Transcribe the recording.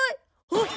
あっ！